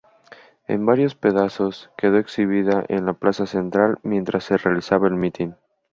En varios pedazos quedó exhibida en la Plaza Central mientras se realizaba el mitin.